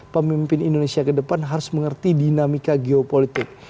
pemimpin indonesia ke depan harus mengerti dinamika geopolitik